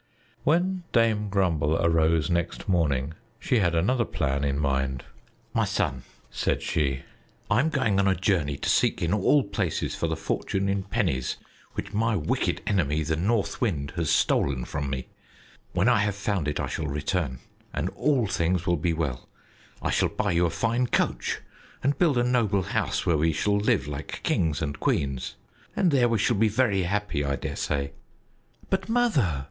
When Dame Grumble arose next morning, she had another plan in mind. "My son," said she, "I am going on a journey to seek in all places for the fortune in pennies which my wicked enemy, the North Wind, has stolen from me. When I have found it, I shall return, and all things will be well. I shall buy you a fine coach and build a noble house where we shall live like kings and queens, and there we shall be very happy, I daresay." "But, Mother!"